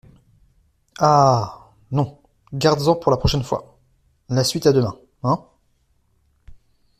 Ah ! non, gardes-en pour la prochaine fois ; la suite à demain, hein ?